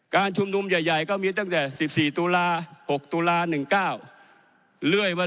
การชุมนุมใหญ่ก็มีตั้งแต่๑๔ตุลาฯ๖ตุลาฯ๑ตุลาฯ๙